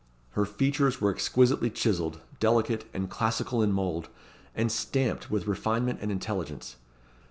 Her features were exquisitely chiselled, delicate and classical in mould, and stamped with refinement and intelligence.